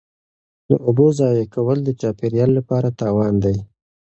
د اوبو ضایع کول د چاپیریال لپاره تاوان دی.